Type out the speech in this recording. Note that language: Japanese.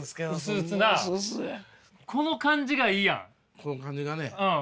この感じがうん。